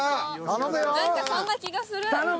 そんな気がするぞ。